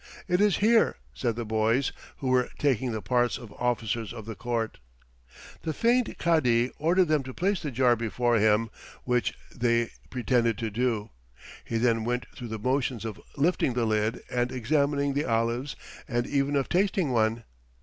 "It is here," said the boys who were taking the parts of officers of the court. The feigned Cadi ordered them to place the jar before him, which they pretended to do. He then went through the motions of lifting the lid and examining the olives and even of tasting one.